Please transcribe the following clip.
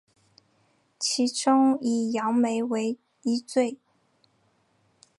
其中以杨梅为一最。